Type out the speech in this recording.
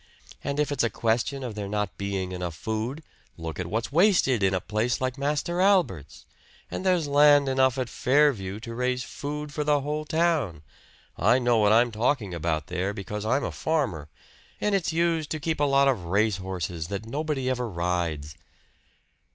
And if it's a question of there not being enough food, look at what's wasted in a place like Master Albert's! And there's land enough at 'Fairview' to raise food for the whole town I know what I'm talking about there, because I'm a farmer. And it's used to keep a lot of race horses that nobody ever rides."